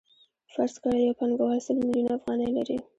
فرض کړئ یو پانګوال سل میلیونه افغانۍ لري